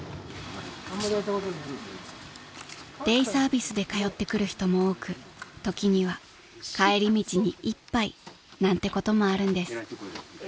［デイサービスで通ってくる人も多く時には帰り道に一杯なんてこともあるんです］